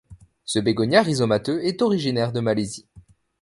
Ce bégonia rhizomateux est originaire de Malaisie.